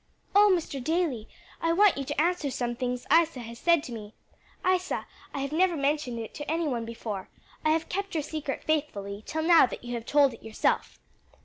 "O, Mr. Daly, I want you to answer some things Isa has said to me. Isa, I have never mentioned it to any one before. I have kept your secret faithfully, till now that you have told it yourself."